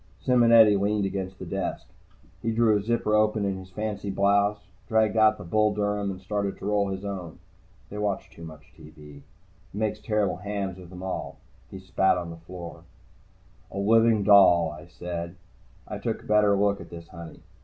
Simonetti leaned against the desk. He drew a zipper open in his fancy blouse, dragged out the Bull Durham and started to roll his own. They watch too much TV. It makes terrible hams of them all. He spat on the floor. "A living doll," I said. I took a better look at this honey.